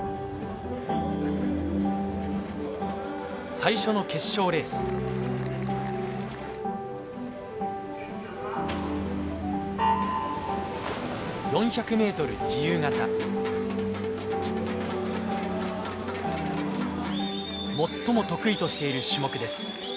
最初の決勝レース４００ｍ自由形最も得意としている種目です